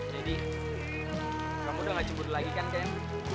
jadi kamu udah gak cemburu lagi kan ken